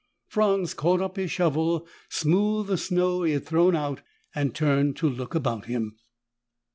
Franz caught up his shovel, smoothed the snow he had thrown out and turned to look about him.